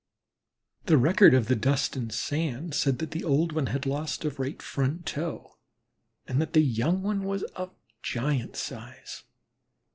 The record of the dust and sand said that the old one had lost a right front toe, and that the young one was of giant size.